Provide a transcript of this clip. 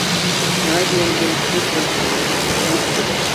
ناھايىتى يەڭگىل، تېز قوزغىلىدۇ، سىغىمى كىچىك.